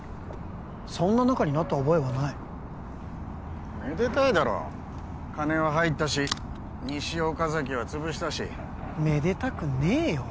そんな仲になった覚えはないめでたいだろ金は入ったし西岡崎は潰したしめでたくねえよ